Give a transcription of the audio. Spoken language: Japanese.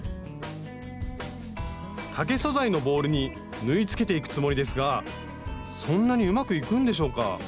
竹素材のボールに縫いつけていくつもりですがそんなにうまくいくんでしょうか？